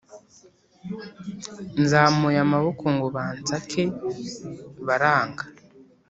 nzamuye amaboko ngo bansake baranga,